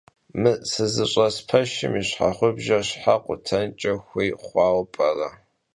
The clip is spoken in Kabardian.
Mı sızış'es peşşım yi şheğubjjer şhe khutenç'e xuêy xhuaue p'ere?